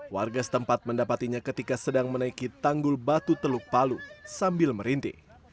warga setempat mendapatinya ketika sedang menaiki tanggul batu teluk palu sambil merinti